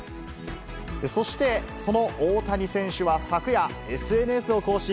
そして、その大谷選手は昨夜、ＳＮＳを更新。